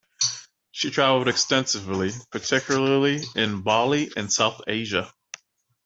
She traveled extensively, particularly in Bali and South Asia.